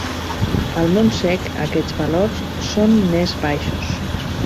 Al Montsec aquests valors són més baixos.